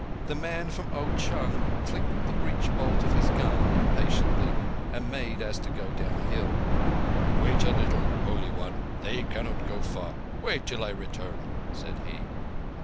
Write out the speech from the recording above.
The man from Ao chung clicked the breech bolt of his gun impatiently, and made as to go downhill. "Wait a little, Holy One; they cannot go far. Wait till I return," said he.